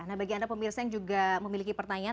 nah bagi anda pemirsa yang juga memiliki pertanyaan